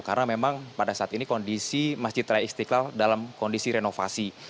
karena memang pada saat ini kondisi masjid raya istiqlal dalam kondisi renovasi